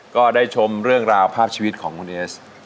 ก็ได้ชมเรื่องราวภาพชีวิตของคุณเอส